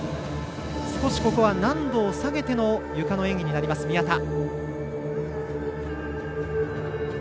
少し難度を下げてのゆかの演技になる宮田。